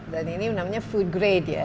dan ini namanya food grade ya